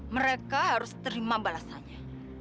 mereka harus terima balasannya